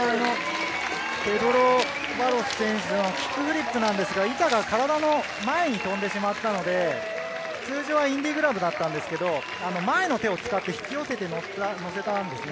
ペドロ・バロス選手のキックフリップですが、板が体の前に飛んでしまったので通常はインディグラブだったんですが、前の手を使って引き寄せて乗せたんですね。